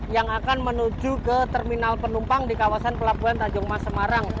yang akan menuju ke terminal penumpang di kawasan pelabuhan tanjung mas semarang